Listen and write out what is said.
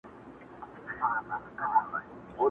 بخت دي تور عقل کوټه دی خدای لیدلی؛